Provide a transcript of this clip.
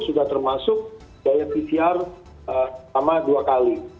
sudah termasuk biaya pcr sama dua kali